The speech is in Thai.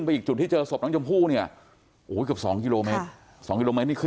โมาสถึงสัก๒กิโลเมตร